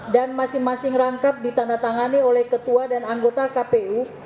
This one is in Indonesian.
dan masing masing rangkap ditandatangani oleh ketua dan anggota kpu